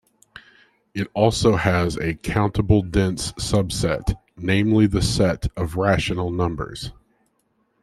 It also has a countable dense subset, namely the set of rational numbers.